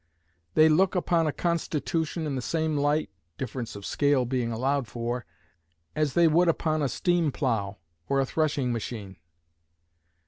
They look upon a constitution in the same light (difference of scale being allowed for) as they would upon a steam plow, or a threshing machine.